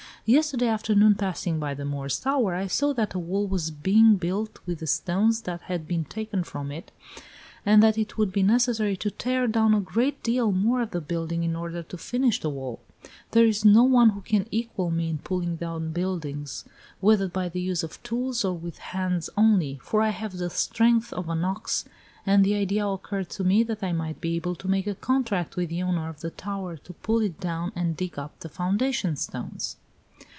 Yesterday afternoon, passing by the Moor's Tower, I saw that a wall was being built with the stones that had been taken from it, and that it would be necessary to tear down a great deal more of the building in order to finish the wall. There is no one who can equal me in pulling down buildings, whether by the use of tools or with hands only, for I have the strength of an ox, and the idea occurred to me that I might be able to make a contract with the owner of the tower to pull it down and dig up the foundation stones."